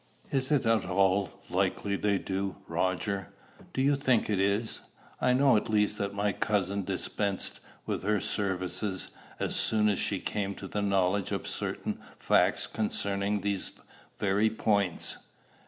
"Is it at all likely they do, Roger? Do you think it is? I know at least that my cousin dispensed with her services as soon as she came to the knowledge of certain facts concerning these very points."